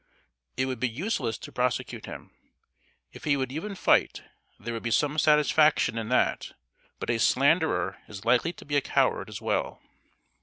It would be useless to prosecute him. If he would even fight there would be some satisfaction in that; but a slanderer is likely to be a coward as well."